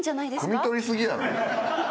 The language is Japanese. くみ取り過ぎやろ。